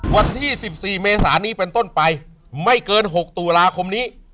วันที่๑๔เมษานี้เป็นต้นไปไม่เกิน๖ตุลาคมนี้